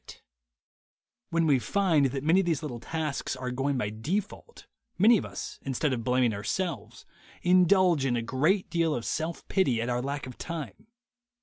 t When we find that many of these little tasks are going by default, many of us, instead of blaming ourselves, indulge in a great deal of self pity at our lack of time.